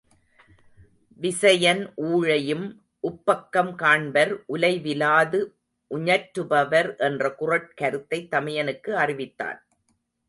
விசயன் ஊழையும் உப்பக்கம் காண்பர் உலை விலாது உஞற்றுபவர் என்ற குறட் கருத்தைத் தமையனுக்கு அறிவித்தான்.